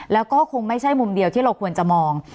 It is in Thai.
แล้วก็คงไม่ใช่มุมเดียวที่เราควรจะมอง